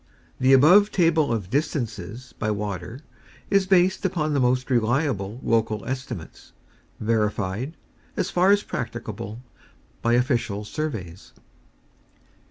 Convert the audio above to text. The above table of distances by water is based upon the most reliable local estimates, verified, as far as practicable, by official surveys.